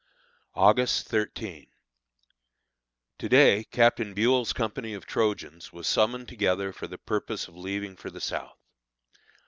August 13. To day Captain Buel's company of Trojans was summoned together for the purpose of leaving for the South.